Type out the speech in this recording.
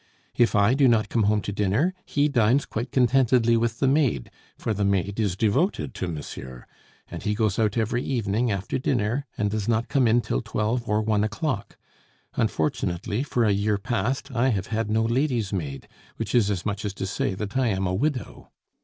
If I do not come home to dinner, he dines quite contentedly with the maid, for the maid is devoted to monsieur; and he goes out every evening after dinner, and does not come in till twelve or one o'clock. Unfortunately, for a year past, I have had no ladies' maid, which is as much as to say that I am a widow!